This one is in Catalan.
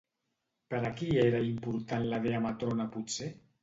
Per a qui era important la Dea Matrona potser?